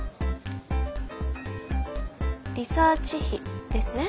リサーチ費ですね？